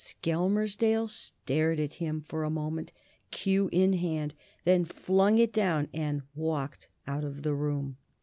Skelmersdale stared at him for a moment, cue in hand, then flung it down and walked out of the room.